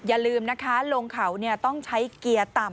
อย่าลืมนะคะลงเขาต้องใช้เกียร์ต่ำ